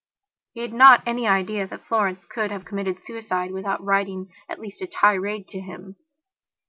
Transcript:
He had not any idea that Florence could have committed suicide without writing at least a tirade to him.